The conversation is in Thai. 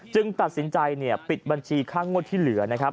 ตัดสินใจปิดบัญชีค่างวดที่เหลือนะครับ